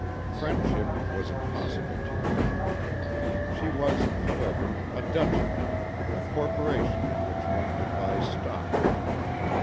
Friendship was impossible to her. She was, however, a duchy, a corporation in which one could buy stock.